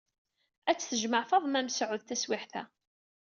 Ad t-tejmeɛ Faḍma Mesɛud taswiɛt-a.